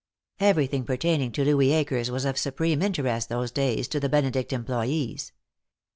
Everything pertaining to Louis Akers was of supreme interest those days to the Benedict employees.